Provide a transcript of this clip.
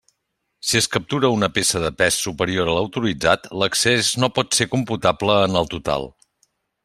Si es captura una peça de pes superior a l'autoritzat, l'excés no pot ser computable en el total.